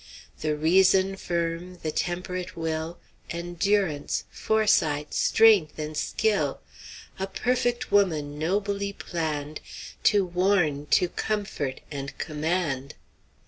'The reason firm, the temperate will, Endurance, foresight, strength, and skill; A perfect woman nobly planned, To warn, to comfort, and command.'